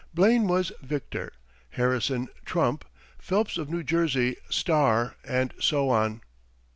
Blaine was "Victor"; Harrison, "Trump"; Phelps of New Jersey, "Star"; and so on.